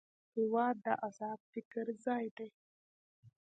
هېواد د ازاد فکر ځای دی.